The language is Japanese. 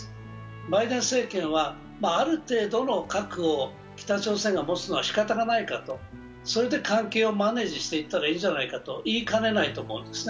バイデン政権は、ある程度の覚悟を北朝鮮が持つのはしかたがないかとそれで関係をマネージしていけばいいじゃないかと言いかねないんですね。